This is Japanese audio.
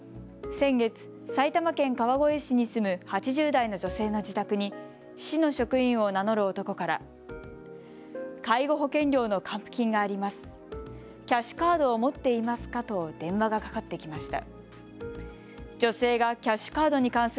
先月、埼玉県川越市に住む８０代の女性の自宅に市の職員を名乗る男から介護保険料の還付金があります。